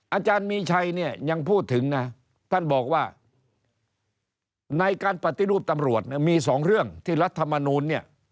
อาจารย์มีชัยเนี่ยยังพูดถึงนะท่านบอกว่าในการปฏิรูปตำรวจเนี่ยมีสองเรื่องที่รัฐมนูลเนี่ย